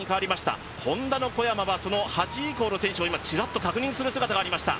今、Ｈｏｎｄａの小山は、８位以降の選手をちらっと確認する姿がありました。